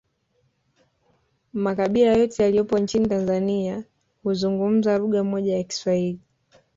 Makabila yote yaliyopo nchini Tanzania huzungumza lugha moja ya kiswahili